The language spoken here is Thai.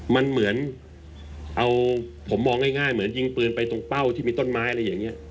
มันเหมือนเอาผมมองง่ายเหมือนยิงปืนไปตรงเป้าที่มีต้นไม้อะไรอย่างนี้